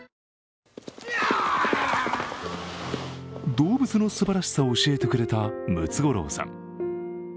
動物のすばらしさを教えてくれたムツゴロウさん。